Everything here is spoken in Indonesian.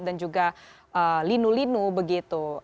dan juga linu linu begitu